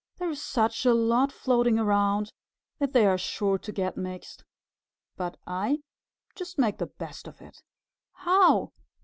There are such a lot floating around that they are sure to get mixed. But I just make the best of it." "How?"